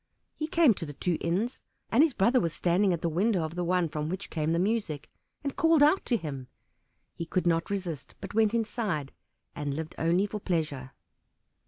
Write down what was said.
He came to the two inns, and his brother was standing at the window of the one from which came the music, and called out to him. He could not resist, but went inside and lived only for pleasure.